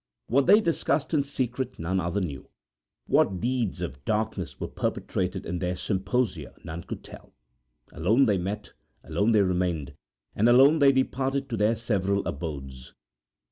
What they discussed in secret none other knew. What deeds of darkness were perpetrated in their symposia none could tell. Alone they met, alone they remained, and alone they departed to their several abodes.